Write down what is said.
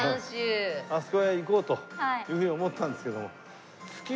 あそこへ行こうというふうに思ってたんですけども。